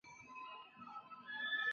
海南当地发布了寒冷三级警报。